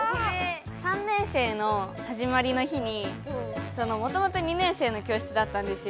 ３年生の始まりの日にもともと２年生の教室だったんですよ。